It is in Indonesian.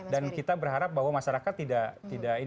dan kita berharap bahwa masyarakat tidak